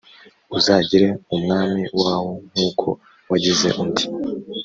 uzagire umwami waho nk’uko wagize undi